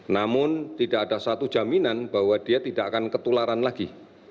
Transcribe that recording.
namun tidak ada satu jaminan bahwa dia tidak akan ketularan lagi